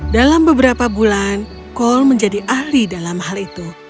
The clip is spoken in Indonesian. dalam beberapa bulan colle menjadi ahli dalam hal itu